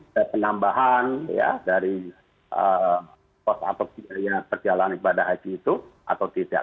ada penambahan dari kos atau biaya yang terjalani pada haji itu atau tidak